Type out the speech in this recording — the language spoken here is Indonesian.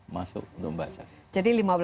masuk untuk membaca jadi lima belas